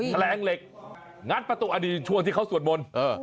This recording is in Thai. แถลงเหล็กงัดประตูอดีตช่วงที่เขาสวดมนต์